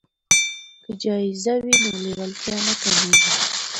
که جایزه وي نو لیوالتیا نه کمیږي.